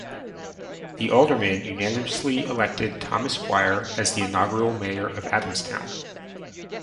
The aldermen unanimously elected Thomas Weir as the inaugural mayor of Adamstown.